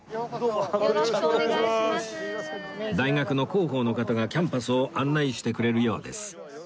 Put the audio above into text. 大学の広報の方がキャンパスを案内してくれるようです